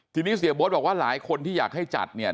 ทีนี้เสียโบ๊ทบอกว่าหลายคนที่อยากให้จัดเนี่ย